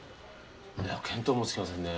いや見当もつきませんね。